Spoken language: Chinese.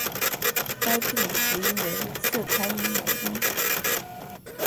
该字母读音为次开央元音。